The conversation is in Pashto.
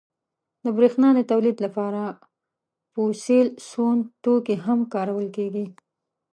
• د برېښنا د تولید لپاره فوسیل سون توکي هم کارول کېږي.